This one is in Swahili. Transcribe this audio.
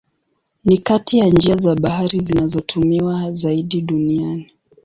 Ni kati ya njia za bahari zinazotumiwa zaidi duniani.